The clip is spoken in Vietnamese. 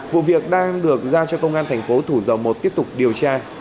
vụ việc đang được giao cho công an thành phố thủ dầu một tiếp tục điều tra xử lý theo quy định